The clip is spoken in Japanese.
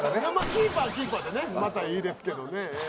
キーパーはキーパーでねまたいいですけどね。